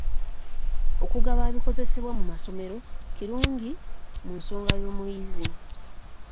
Okugaba ebikozesebwa mu masomero kirungi mu nsoma y'omuyizi.